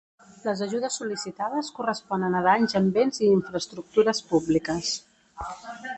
Les ajudes sol·licitades corresponen a danys en béns i infraestructures públiques.